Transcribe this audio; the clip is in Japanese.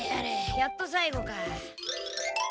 やっと最後か。